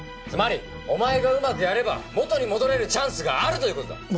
つまりお前がうまくやれば元に戻れるチャンスがあるという事だ！